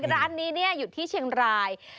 ร้านนี้อยู่ที่เชียงราย